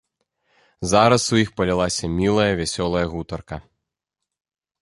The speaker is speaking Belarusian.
Зараз у іх палілася мілая, вясёлая гутарка.